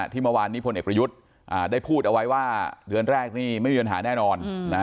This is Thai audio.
ที่เมื่อวานนี้พลเอกประยุทธ์ได้พูดเอาไว้ว่าเดือนแรกนี่ไม่มีปัญหาแน่นอน